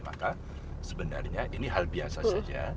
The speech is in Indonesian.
maka sebenarnya ini hal biasa saja